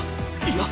いや。